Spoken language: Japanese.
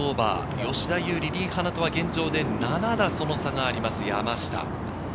吉田優利、リ・ハナとは現状で７打、その差があります、山下。